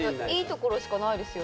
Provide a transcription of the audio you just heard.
いいところしかないですよ。